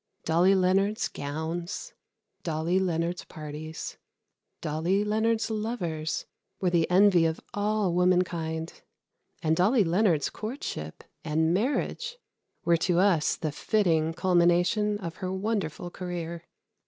Dolly Leonard's gowns, Dolly Leonard's parties, Dolly Leonard's lovers, were the envy of all womankind. And Dolly Leonard's courtship and marriage were to us the fitting culmination of her wonderful career.